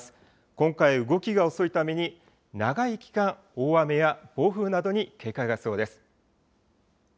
今回、動きが遅いために、長い期間、大雨や暴風などに警戒が必要です。